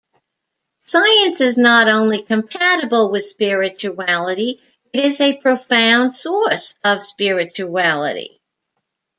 Science is not only compatible with spirituality; it is a profound source of spirituality.